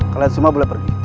kalian semua boleh pergi